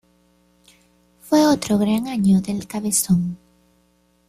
Fue otro gran año del "Cabezón".